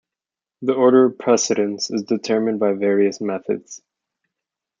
The order of precedence is determined by various methods.